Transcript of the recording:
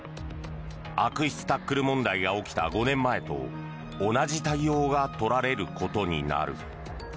悪質タックル問題が起きた５年前と同じ対応が取られることになる。